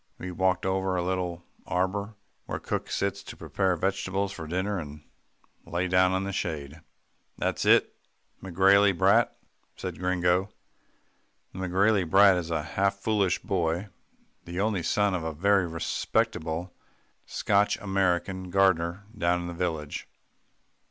We walked over to a little arbour where cook sits to prepare vegetables for dinner, and lay down in the shade. "It's that McGrailey brat," said Gringo. The McGrailey brat is a half foolish boy, the only son of a very respectable, Scotch American gardener down in the village.